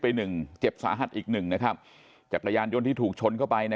ไป๑เจ็บสาหัสอีก๑นะครับจักรยานยนต์ที่ถูกชนเข้าไปนะ